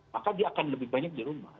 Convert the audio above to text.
maka dia akan lebih banyak di rumah